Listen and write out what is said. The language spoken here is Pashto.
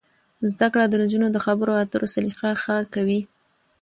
زده کړه د نجونو د خبرو اترو سلیقه ښه کوي.